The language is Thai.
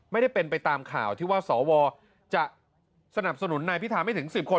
ไม่ได้เป็นไปตามข่าวที่ว่าสวจะสนับสนุนนายพิธาไม่ถึง๑๐คน